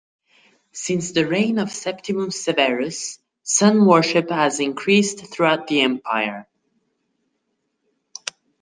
Since the reign of Septimius Severus, sun worship had increased throughout the Empire.